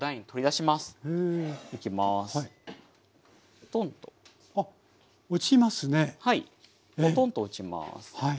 ポトンと落ちます。